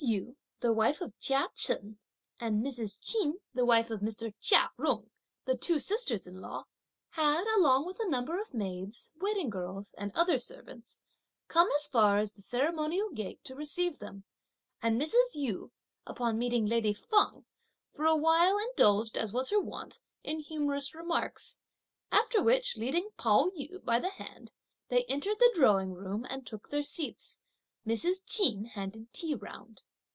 Yu, the wife of Chia Chen, and Mrs. Ch'in, the wife of Mr. Chia Jung, the two sisters in law, had, along with a number of maids, waiting girls, and other servants, come as far as the ceremonial gate to receive them, and Mrs. Yu, upon meeting lady Feng, for a while indulged, as was her wont, in humorous remarks, after which, leading Pao yü by the hand, they entered the drawing room and took their seats, Mrs. Ch'in handed tea round.